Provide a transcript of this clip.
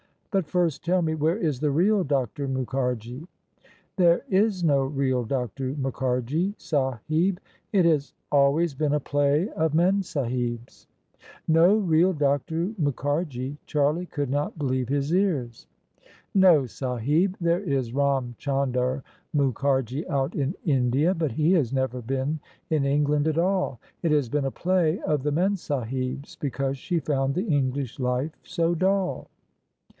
But first tell me, where is the real Dr. Mukharji?" " There is no real Dr. Mukharji, Sahib. It has always been a play of Memsahib's." No real Dr. Mukharji? " Charlie coidd not believe his ^rs. [ 303 ] THE SUBJECTION " No, Sahib. There is Ram Chandar Mukharji out in India, but he has never been in England at all. It has been a play of the Memsahib's because she found the English life 80 dull."